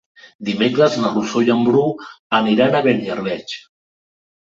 Dimecres na Rosó i en Bru aniran a Beniarbeig.